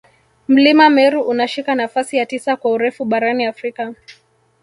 Mlima Meru unashika nafasi ya tisa kwa urefu barani Afrika